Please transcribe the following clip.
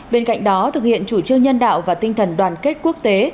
bên cạnh đó thực hiện chủ trương nhân đạo và tinh thần đoàn kết quốc tế